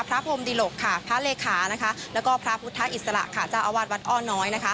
พระพรมดิหลกพระเลขาและพระพุทธอิสระจ้าอวัดวัดอ้อน้อย